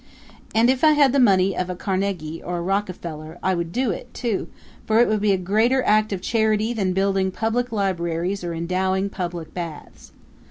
And if I had the money of a Carnegie or a Rockefeller I would do it, too, for it would be a greater act of charity than building public libraries or endowing public baths.